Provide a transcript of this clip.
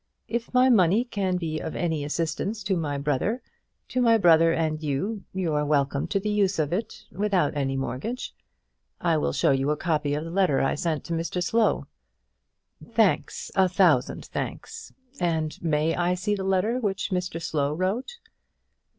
If my money can be of any assistance to my brother to my brother and you you are welcome to the use of it, without any mortgage. I will show you a copy of the letter I sent to Mr Slow." "Thanks; a thousand thanks! and may I see the letter which Mr Slow wrote?"